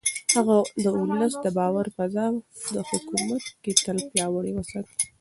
هغه د ولس د باور فضا په حکومت کې تل پياوړې وساتله.